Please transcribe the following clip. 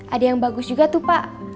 ada yang bagus juga tuh pak